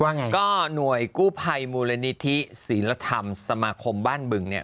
ว่าไงก็หน่วยกู้พัยมูเรนิทศาสนธรรมบ้านบึงเนี่ย